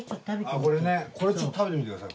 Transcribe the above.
これちょっと食べてみてください。